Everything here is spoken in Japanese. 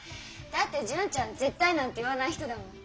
だって純ちゃん「絶対」なんて言わない人だもん。